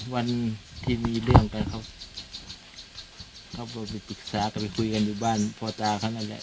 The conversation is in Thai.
วันที่มีเรื่องไปเขาเขาก็ไปปรึกษาก็ไปคุยกันอยู่บ้านพ่อตาเขานั่นแหละ